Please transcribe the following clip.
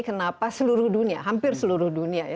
kenapa seluruh dunia hampir seluruh dunia ya